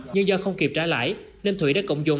nhưng do không kịp trả lãi nên thụy đã cộng dụng